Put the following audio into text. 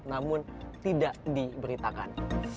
namun tidak diberitakan